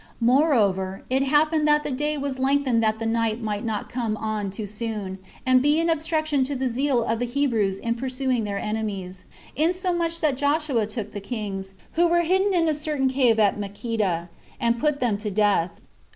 Moreover, it happened that the day was lengthened 7 that the night might not come on too soon, and be an obstruction to the zeal of the Hebrews in pursuing their enemies; insomuch that Joshua took the kings, who were hidden in a certain cave at Makkedah, and put them to death.